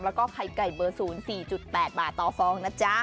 แล้วก็ไข่ไก่เบอร์ศูนย์๔๘บาทต่อซอง